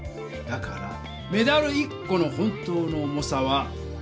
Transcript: だからメダル１この本当の重さは。